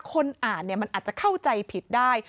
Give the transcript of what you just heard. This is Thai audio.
คนอ่านมันอาจจะเข้าใจผิดได้